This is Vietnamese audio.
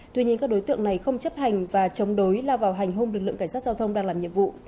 tuy nhiên các đối tượng này không chấp hành và chống đối lao vào hành hung lực lượng cảnh sát giao thông đang làm nhiệm vụ